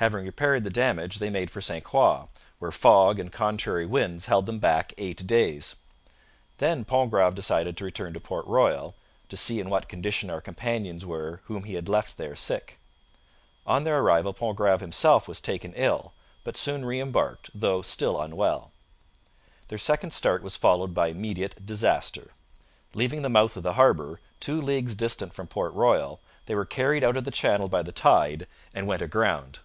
Having repaired the damage they made for St Croix, where fog and contrary winds held them back eight days. Then Pontgrave decided to return to Port Royal 'to see in what condition our companions were whom we had left there sick.' On their arrival Pontgrave himself was taken ill, but soon re embarked, though still unwell. Their second start was followed by immediate disaster. Leaving the mouth of the harbour, two leagues distant from Port Royal, they were carried out of the channel by the tide and went aground.